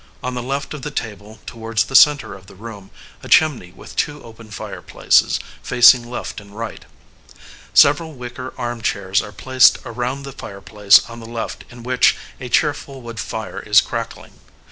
On the left of the table, towards the centre of the room, a chimney with two open fire places, facing left and right. Several wicker armchairs are placed around the fire place on the left in which a cheerful wood fire is crackling.